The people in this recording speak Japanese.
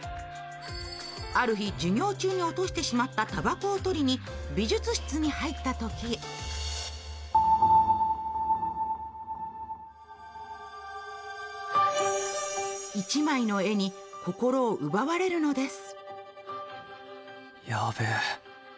ある日、授業中に落としてしまったたばこを取りに美術室に入ったとき一枚の絵に心を奪われるのです。